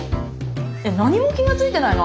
えっ何も気が付いてないの？